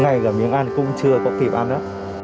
ngay là miếng ăn cũng chưa có kịp ăn nữa